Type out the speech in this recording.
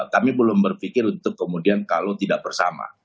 kami belum berpikir untuk kemudian kalau tidak bersama